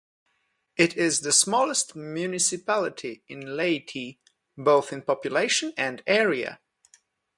It is the smallest municipality in Leyte, both in population and area.